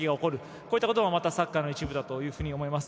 こういったこともまたサッカーの一部だと思います。